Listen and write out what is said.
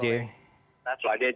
selamat sore pak jj